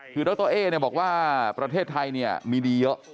คือรักษาตัวเอบอกว่าประเทศไทยนี่มีดีเยอะ